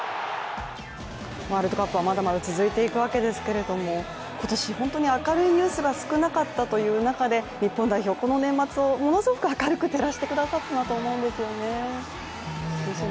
ワールドカップはまだまだ続いていくわけですけれども、今年、本当に明るいニュースが少なかったという中で日本代表、この年末をものすごく明るく照らしてくださったと思うんですよね。